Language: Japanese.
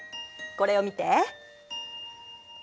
これを見て。